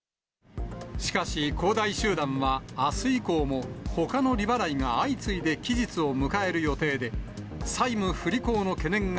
しかし恒大集団はあす以降も、ほかの利払いが相次いで期日を迎える予定で、債務不履行の懸念が